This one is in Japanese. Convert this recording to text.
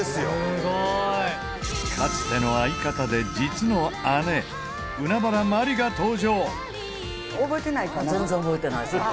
かつての相方で実の姉海原万里が登場！